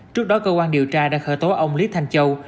trước đó cơ quan điều tra đã khởi tố ông lý thanh châu